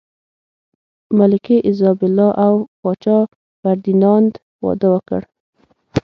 ملکې ایزابلا او پاچا فردیناند واده وکړ.